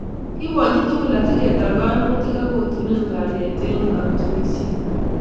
Kibwonii tugul asi ketar koimutik ak kotunen kalyeet eng katunisieet